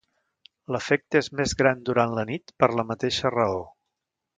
L'efecte és més gran durant la nit per la mateixa raó.